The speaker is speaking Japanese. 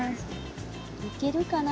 いけるかな？